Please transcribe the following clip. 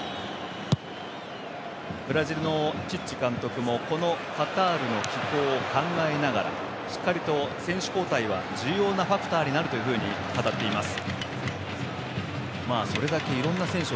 ブラジルのチッチ監督もこのカタールの気候を考えながらしっかりと選手交代は重要なファクターになると語っています。